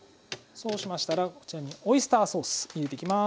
そうしましたらこちらにオイスターソース入れてきます。